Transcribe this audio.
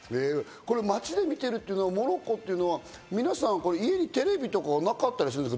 街で見てるというのはモロッコは皆さん、家にテレビとかなかったりするんですか？